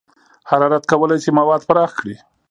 حرارت کولی شي مواد پراخ کړي.